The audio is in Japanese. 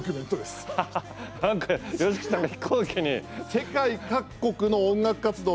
世界各国の音楽活動